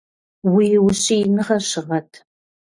Уи ущииныгъэр щыгъэт!